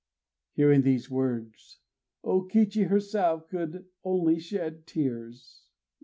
... Hearing these words, O Kichi herself could only shed tears.